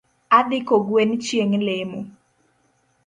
Adhi kogwen chieng’ lemo